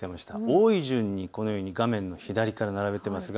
多い順にこのように画面の左から並べています。